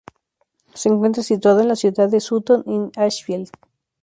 Se encuentra situado en la ciudad de Sutton-in-Ashfield.